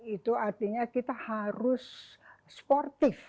itu artinya kita harus sportif